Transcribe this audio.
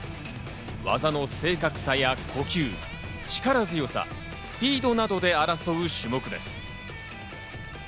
技の正確さや呼吸、力強さ、スピードなどで争う種目です。